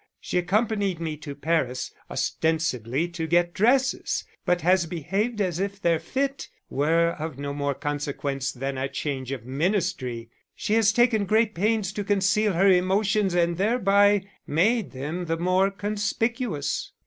She accompanied me to Paris, ostensibly to get dresses, but has behaved as if their fit were of no more consequence than a change of ministry. She has taken great pains to conceal her emotions and thereby made them the more conspicuous.